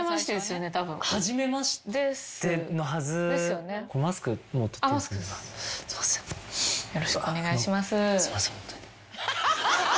よろしくお願いします。